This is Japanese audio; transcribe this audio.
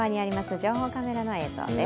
情報カメラの映像です。